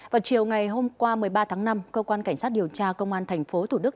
vào chiều ngày hôm qua một mươi ba tháng năm cơ quan cảnh sát điều tra công an tp thủ đức